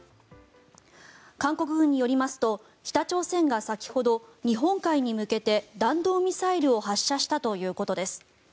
韓国軍によりますと北朝鮮が先ほど日本海に向けて弾道ミサイルを発射したということです。